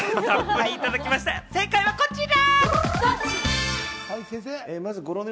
正解はこちら！